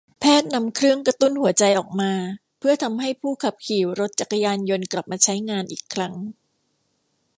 แพทย์นำเครื่องกระตุ้นหัวใจออกมาเพื่อทำให้ผู้ขับขี่รถจักรยานยนต์กลับมาใช้งานอีกครั้ง